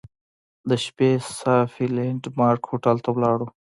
د شپې صافي لینډ مارک هوټل ته ولاړو.